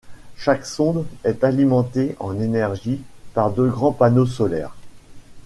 Chaque sonde est alimentée en énergie par deux grands panneaux solaires.